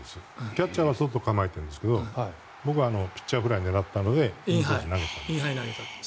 キャッチャーは外に構えてるんですけど僕はピッチャーフライを狙ったのでインコースに投げた。